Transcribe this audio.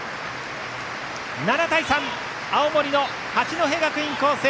７対３、青森の八戸学院光星